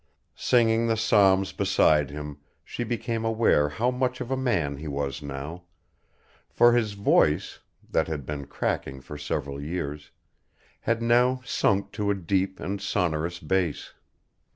Singing the psalms beside him she became aware how much of a man he was now, for his voice, that had been cracking for several years, had now sunk to a deep and sonorous bass.